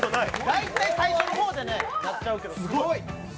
大体、最初の方でやっちゃうんだけど、すごい。